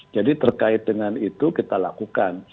jadi terkait dengan itu kita lakukan